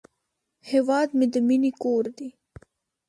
هیواد مې د مینې کور دی